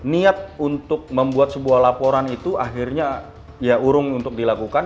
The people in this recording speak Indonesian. niat untuk membuat sebuah laporan itu akhirnya ya urung untuk dilakukan